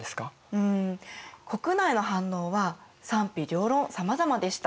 うん国内の反応は賛否両論さまざまでした。